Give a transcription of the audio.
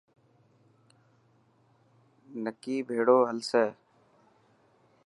نڪي ڀيڙو هلسي.